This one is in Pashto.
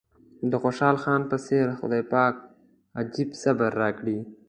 د خوشحال خان په څېر خدای پاک عجيب صبر راکړی.